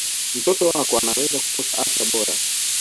mtoto wako anaweza kukosa afya bora